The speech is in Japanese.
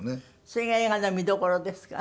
それが映画の見どころですか？